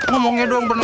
ngomongnya doang berani